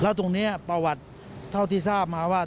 แล้วตรงนี้ประวัติเท่าที่ทราบมาว่า